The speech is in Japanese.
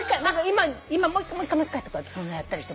今もう一回もう一回とかそんなんやったりして。